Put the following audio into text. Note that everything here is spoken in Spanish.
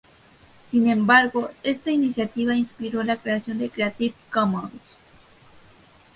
Sin embargo, esta iniciativa inspiró la creación de "Creative Commons".